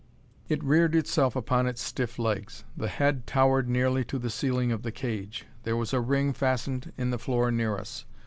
It reared itself upon its stiff legs; the head towered nearly to the ceiling of the cage. There was a ring fastened in the floor near us.